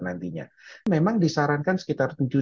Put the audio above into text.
dan akan mengganggu siklus tidur dan kualitas tidur